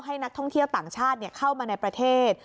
ให้นักท่องเที่ยวต่างชาติเข้ามาในประเทศ